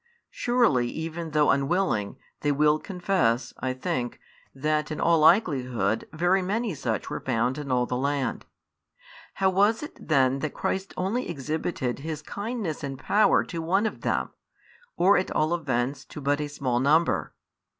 Surely, even though unwilling, they will confess, I think, that in all likelihood very many such were found in all the land. How was it then that Christ only exhibited His kindness and power to one of them, or at all events to but a small number?